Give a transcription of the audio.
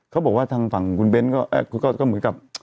เขาบอกว่าทางฝั่งคุณเบ้นก็เหมือนกับ